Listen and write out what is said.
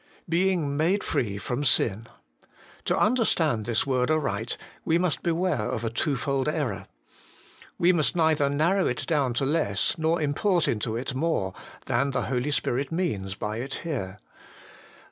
' Being made free from sin :' to understand this word aright, we must beware of a twofold error. We must neither narrow it down to less, nor import into it more, than the Holy Spirit means by it here.